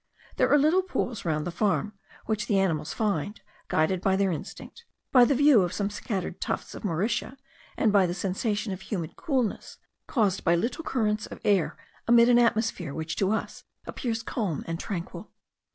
There are little pools round the farm, which the animals find, guided by their instinct, by the view of some scattered tufts of mauritia, and by the sensation of humid coolness, caused by little currents of air amid an atmosphere which to us appears calm and tranquil.